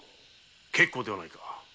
結構ではないか。